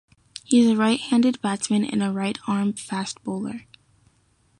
He is a right-handed batsman and a right-arm-fast bowler.